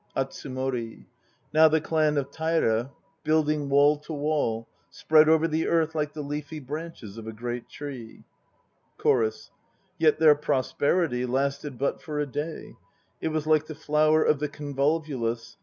ATSUMORI. Now the clan of Taira, building wall to wall, Spread over the earth like the leafy branches of a great tree: CHORUS. Yet their prosperity lasted but for a day; It was like the flower of the convolvulus.